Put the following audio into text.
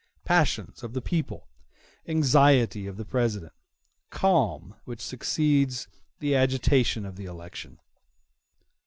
—Passions of the people—Anxiety of the President—Calm which succeeds the agitation of the election.